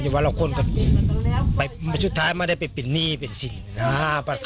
อย่างว่าละคนก็ชุดท้ายไม่ได้เป็นหนี้เป็นสิ่ง